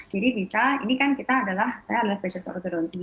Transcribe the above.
jadi bisa ini kan kita adalah specialist ortodonti